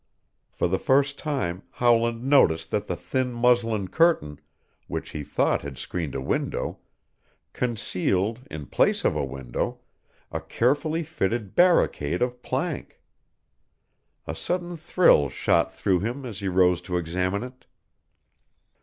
For the first time Howland noticed that the thin muslin curtain, which he thought had screened a window, concealed, in place of a window, a carefully fitted barricade of plank. A sudden thrill shot through him as he rose to examine it.